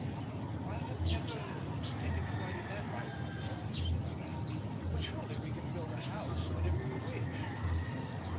"I have never looked at it quite in this light before," said I. "But surely we can build a house whenever we wish!"